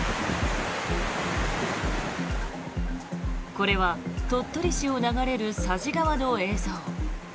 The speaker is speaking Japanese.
これは鳥取市を流れる佐治川の映像。